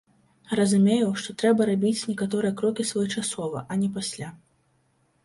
Разумею, што трэба рабіць некаторыя крокі своечасова, а не пасля.